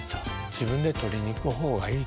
「自分で取りに行く方がいい。